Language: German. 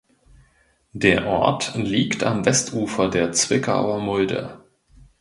Der Ort liegt am Westufer der Zwickauer Mulde.